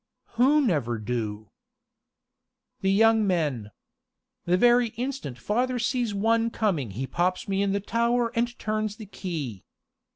"Who never do?" "The young men. The very instant father sees one coming he pops me in the tower and turns the key.